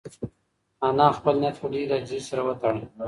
انا خپل نیت په ډېرې عاجزۍ سره وتاړه.